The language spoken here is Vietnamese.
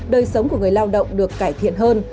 đời sống của người lao động được cải thiện hơn